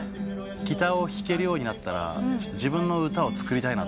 ギターを弾けるようになったら自分の歌を作りたいなと思って。